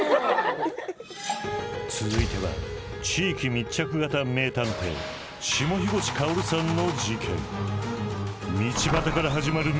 続いては地域密着型名探偵下吹越かおるさんの事件。